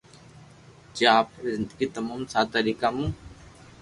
جي آپري زندگي تموم سادا طريقا مون